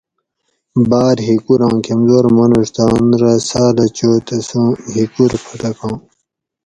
باۤر ھیکوراں کمزور مانوڄ تہ ان رہ ساۤلہ چو تسوں ھیکور پھٹکاں